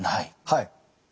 はい。